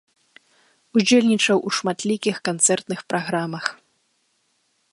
Удзельнічаў у шматлікіх канцэртных праграмах.